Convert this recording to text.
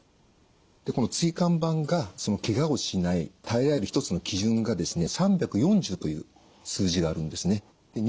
この椎間板がけがをしない耐えられる一つの基準がですね３４０という数字があるんですね。